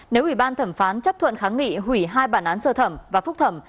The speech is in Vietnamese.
nếu ủy ban thẩm phán chấp thuận kháng nghị hủy hai bản án sơ thẩm và phúc thẩm